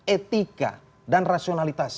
etika dan rasionalitas